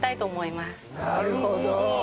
なるほど！